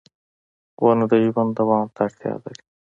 • ونه د ژوند دوام ته اړتیا لري.